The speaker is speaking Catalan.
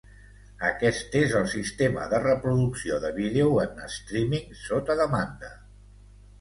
Aquest és el sistema de reproducció de vídeo en streaming sota demanda.